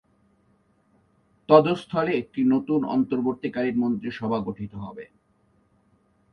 তদস্থলে একটি নতুন অন্তবর্তীকালীন মন্ত্রিসভা গঠিত হবে।